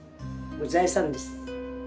財産です。